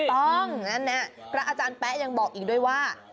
ถูกต้องนั่นแหละพระอาจารย์แป๊ะยังบอกอีกด้วยว่า